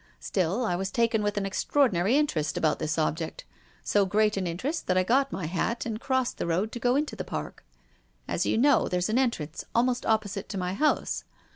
Still, I was taken with an extraordinary interest about this object, so great an interest that I got my hat and crossed the road to go into the Park. As you know, there's an entrance almost opposite to my house.